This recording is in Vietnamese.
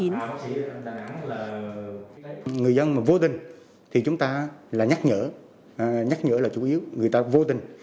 người dân vô tình thì chúng ta nhắc nhở nhắc nhở là chủ yếu người ta vô tình